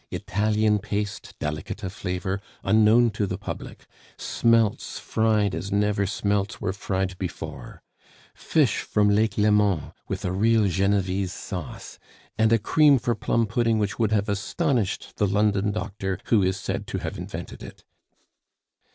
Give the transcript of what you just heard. Italian paste, delicate of flavor, unknown to the public; smelts fried as never smelts were fried before; fish from Lake Leman, with a real Genevese sauce, and a cream for plum pudding which would have astonished the London doctor who is said to have invented it.